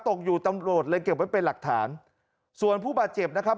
ตกอยู่ตำรวจเลยเก็บไว้เป็นหลักฐานส่วนผู้บาดเจ็บนะครับ